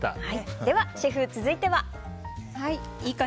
ではシェフ、続いては？